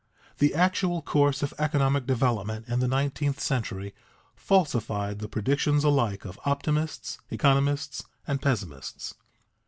_The actual course of economic development in the nineteenth century falsified the predictions alike of optimists, economists, and pessimists.